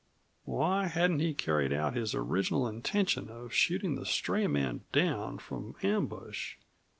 Why hadn't he carried out his original intention of shooting the stray man down from ambush?